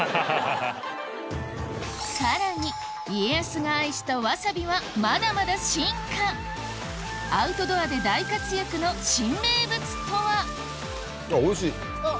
さらに家康が愛したわさびはまだまだ進化アウトドアで大活躍の新名物とは？